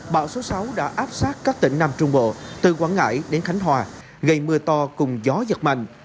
bão số sáu đã áp sát các tỉnh nam trung bộ từ quảng ngãi đến khánh hòa gây mưa to cùng gió giật mạnh